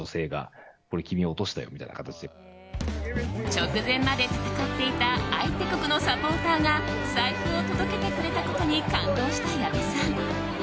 直前まで戦っていた相手国のサポーターが財布を届けてくれたことに感動した矢部さん。